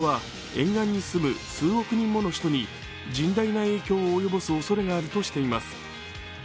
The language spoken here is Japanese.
海面上昇は沿岸に住む数億人もの人に甚大な影響を及ぼすおそれがあるとしています。